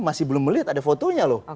masih belum melihat ada fotonya loh